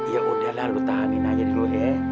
ya udahlah lu tahanin aja dulu ya